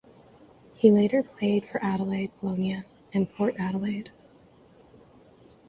He later played for Adelaide Polonia and Port Adelaide.